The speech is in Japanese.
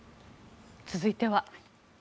続いては。